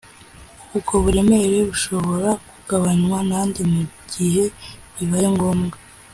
ubwo buremere bushobora kugabanywa nande mungihe bibaye ngombwa